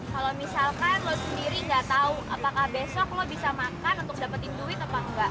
kalau misalkan lo sendiri nggak tahu apakah besok lo bisa makan untuk dapetin duit apa enggak